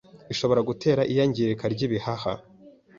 ishobora gutera iyangirika ry’bihaha,